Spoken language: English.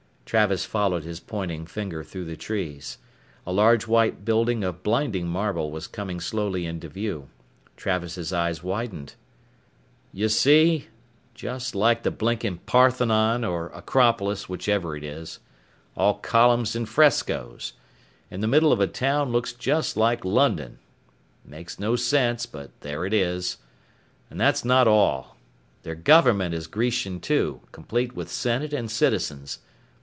Travis followed his pointing finger through the trees. A large white building of blinding marble was coming slowly into view. Travis' eyes widened. "You see? Just like the blinkin' Parthenon, or Acropolis, whichever it is. All columns and frescoes. In the middle of a town looks just like London. Makes no sense, but there it is. And that's not all. Their government is Grecian too, complete with Senate and Citizens.